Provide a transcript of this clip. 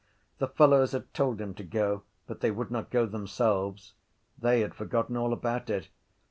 The fellows had told him to go but they would not go themselves. They had forgotten all about it.